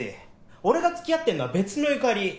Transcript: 俺が付き合ってんのは別のユカリ。